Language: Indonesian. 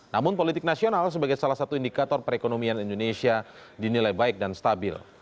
namun politik nasional sebagai salah satu indikator perekonomian indonesia dinilai baik dan stabil